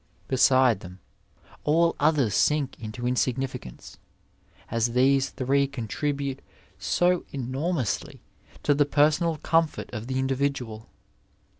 Beside them all others sink into insignificance, as these three contribute so enormously to the personal comfort of the individual.